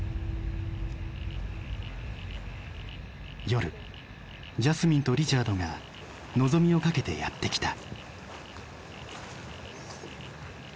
夜ジャスミンとリチャードが望みをかけてやって来た。